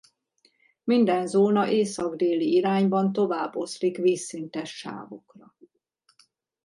Minden zóna észak–déli irányban tovább oszlik vízszintes sávokra.